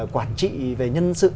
quản trị về nhân sự